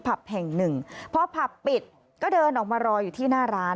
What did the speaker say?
ผับแห่งหนึ่งพอผับปิดก็เดินออกมารออยู่ที่หน้าร้าน